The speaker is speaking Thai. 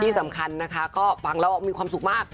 ที่สำคัญนะคะก็ฟังแล้วมีความสุขมาก